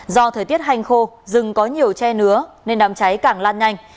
do thời tiết hành khô rừng có nhiều che nứa nên đám cháy càng lan nhanh